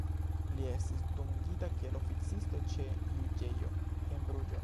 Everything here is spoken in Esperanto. Li estis dungita kiel oficisto ĉe juĝejo en Bruĝo.